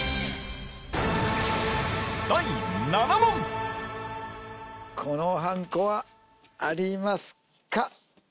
再びこのはんこはありますか？